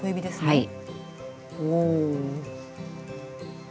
はい。